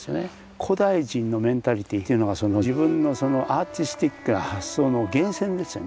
古代人のメンタリティーというのがその自分のアーティスティックな発想の源泉ですよね。